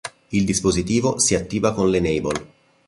Il dispositivo si attiva con l'enable.